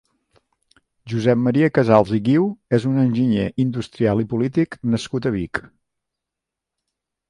Josep Maria Casals i Guiu és un enginyer industrial i polític nascut a Vic.